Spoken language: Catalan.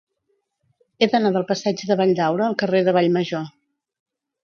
He d'anar del passeig de Valldaura al carrer de Vallmajor.